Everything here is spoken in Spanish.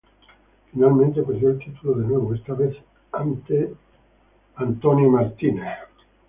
Finalmente, perdió el título de nuevo, esta vez ante Marcus Anthony.